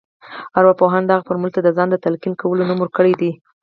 ارواپوهانو دغه فورمول ته د ځان ته د تلقين کولو نوم ورکړی دی.